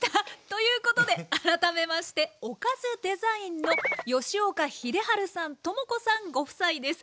ということで改めましてオカズデザインの吉岡秀治さん知子さんご夫妻です。